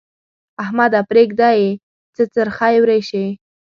احمده! پرېږده يې؛ څه څرخی ورېشې.